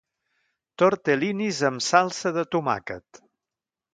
Tortel·linis amb salsa de tomàquet.